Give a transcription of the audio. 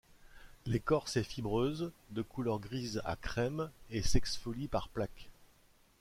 L'écorce est fibreuse, de couleur grise à crème et s'exfolie par plaques.